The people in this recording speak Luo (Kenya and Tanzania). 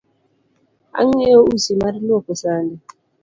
Ang’iewo usi mar luoko sande